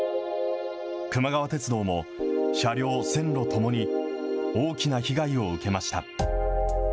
くま川鉄道も、車両、線路ともに大きな被害を受けました。